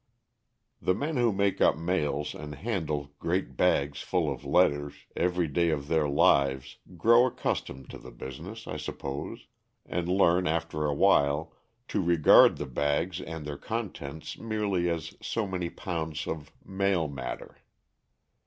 _ The men who make up mails and handle great bags full of letters every day of their lives grow accustomed to the business, I suppose, and learn after awhile to regard the bags and their contents merely as so many pounds of "mail matter."